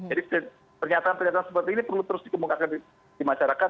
jadi pernyataan pernyataan seperti ini perlu terus dikemukakan di masyarakat